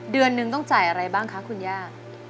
เดือนนึงต้องจ่ายอะไรบ้างคะคุณย่า